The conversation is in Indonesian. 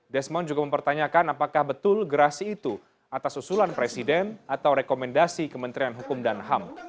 desmond juga mempertanyakan apakah betul gerasi itu atas usulan presiden atau rekomendasi kementerian hukum dan ham